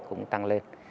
cũng tăng lên